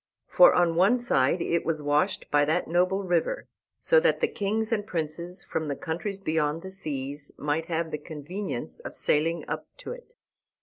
For on one side it was washed by that noble river, so that the kings and princes from the countries beyond the seas might have the convenience of sailing up to it.